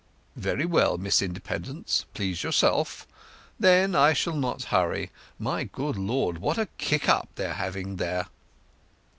"Very well, Miss Independence. Please yourself... Then I shall not hurry... My good Lord, what a kick up they are having there!"